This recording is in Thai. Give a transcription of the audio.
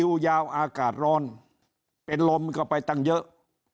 ดูยาวอากาศร้อนเป็นลมเข้าไปตั้งเยอะ